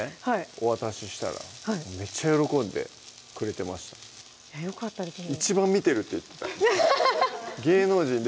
お渡ししためっちゃ喜んでくれてましたよかったですね